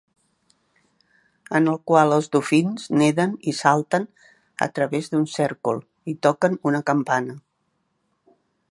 En el qual els dofins neden i salten a través d"un cèrcol i toquen una campana.